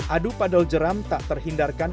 adu padel jeram tak terhindarkan